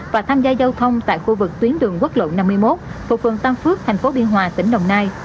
và tham gia giao thông tại khu vực tuyến đường quốc lộ năm mươi một thuộc phường tam phước thành phố biên hòa tỉnh đồng nai